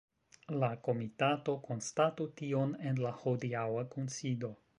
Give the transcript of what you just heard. La komitato konstatu tion en la hodiaŭa kunsido.